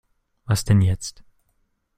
Was denn jetzt?